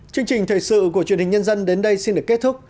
chương trình thời sự của truyền hình nhân dân đến đây xin được kết thúc